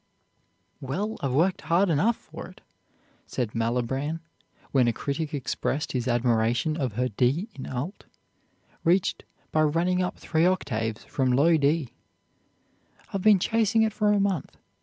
"Well, I've worked hard enough for it," said Malibran when a critic expressed his admiration of her D in alt, reached by running up three octaves from low D; "I've been chasing it for a month.